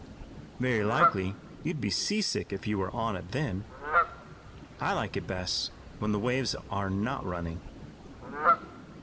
"Very likely you'd be seasick if you were on it then. I like it best when the waves are not running."